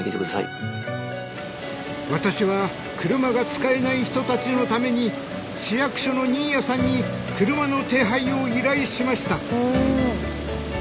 私は車が使えない人たちのために市役所の新谷さんに車の手配を依頼しました。